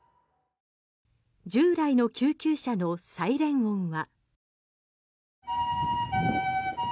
従来の救急車のサイレン音は。